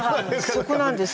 そこなんですよ。